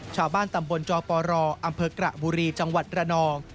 ชาวบ้านตำบลจปรอกระบุรีจังหวัดวรนอง